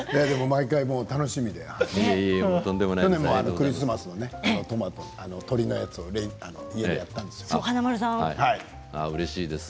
毎回、楽しみで去年もクリスマスの鶏のやつを家でやったんです。